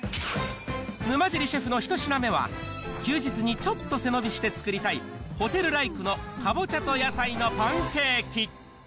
沼尻シェフの１品目は、休日にちょっと背伸びして作りたい、ホテルライクのかぼちゃと野菜のパンケーキ。